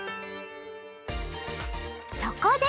そこで！